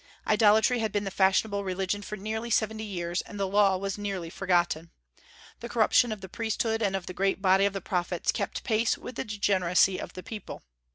Idolatry had been the fashionable religion for nearly seventy years, and the Law was nearly forgotten. The corruption of the priesthood and of the great body of the prophets kept pace with the degeneracy of the people.